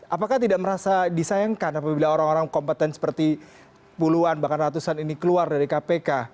apakah tidak merasa disayangkan apabila orang orang kompeten seperti puluhan bahkan ratusan ini keluar dari kpk